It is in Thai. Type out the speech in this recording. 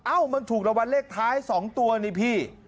อ้าวมันถูกระบวนเลขท้าย๒ตัวนี่พี่